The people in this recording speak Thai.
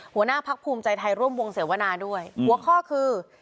หัวหน้าพักภูมิใจไทยร่วมวงเสวนาด้วยหัวข้อคือ